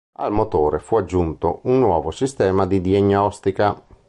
Al motore fu aggiunto un nuovo sistema di diagnostica.